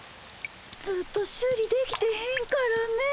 ずっと修理できてへんからねえ。